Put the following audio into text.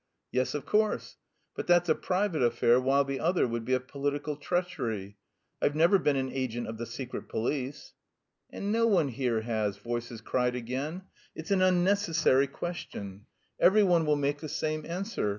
"Yes, of course; but that's a private affair, while the other would be a political treachery. I've never been an agent of the Secret Police." "And no one here has," voices cried again. "It's an unnecessary question. Every one will make the same answer.